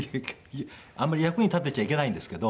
あんまり役に立てちゃいけないんですけど。